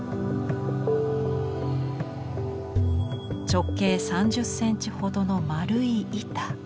直径３０センチほどの円い板。